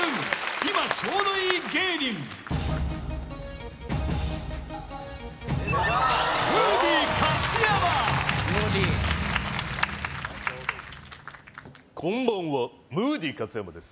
今ちょうどいい芸人こんばんはムーディ勝山です